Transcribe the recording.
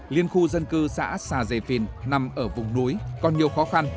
liên khu dân cư xã xà dê phìn nằm ở vùng núi còn nhiều khó khăn